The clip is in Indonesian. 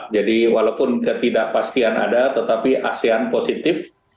jadi walaupun ketidakpastian ada tetapi asean positif